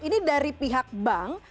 ini dari pihak bank